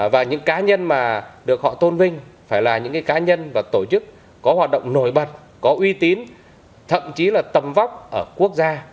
và những cá nhân mà được họ tôn vinh phải là những cá nhân và tổ chức có hoạt động nổi bật có uy tín thậm chí là tầm vóc ở quốc gia